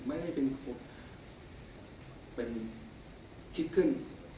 ไม่ได้เป็นคนเป็นคิดขึ้น